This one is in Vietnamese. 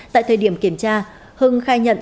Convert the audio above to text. tại thời điểm kiểm tra hưng khai nhận